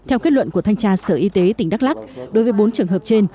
theo kết luận của thanh tra sở y tế tỉnh đắk lắc đối với bốn trường hợp trên